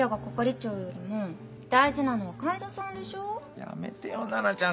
やめてよナナちゃん！